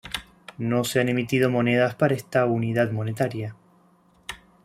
No se han emitido monedas para esta unidad monetaria.